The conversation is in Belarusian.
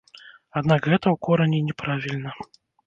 Аднак гэта ў корані не правільна.